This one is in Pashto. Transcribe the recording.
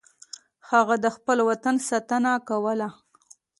هغه د خپل وطن ساتنه کوله.